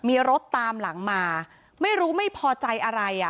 มีรถตามหลังมาไม่รู้ไม่พอใจอะไรอ่ะ